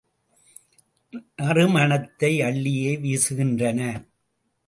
நறு மணத்தை அள்ளியே வீசுகின்றன.